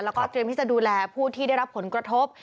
แล้วก็เตรียมที่จะดูแลผู้ที่ได้รับผลกระทบ